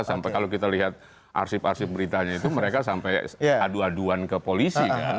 sampai kalau kita lihat arsip arsip beritanya itu mereka sampai adu aduan ke polisi kan